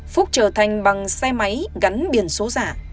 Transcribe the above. phúc trở thành bằng xe máy gắn biển số giả